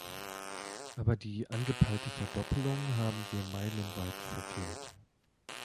Aber die angepeilte Verdoppelung haben wir meilenweit verfehlt.